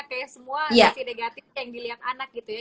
kayak semua kasih negatif yang dilihat anak gitu ya